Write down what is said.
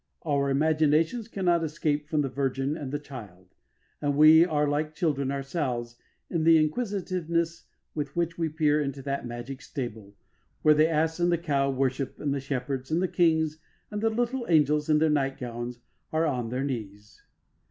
Our imaginations cannot escape from the Virgin and the Child, and we are like children ourselves in the inquisitiveness with which we peer into that magic stable where the ass and the cow worship and the shepherds and the kings and the little angels in their nightgowns are on their knees.